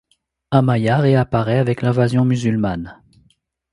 Amaia réapparaît avec l'invasion musulmane.